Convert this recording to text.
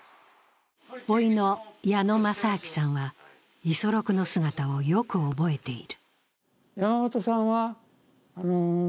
おいの矢野正昭さんは、五十六の姿をよく覚えている。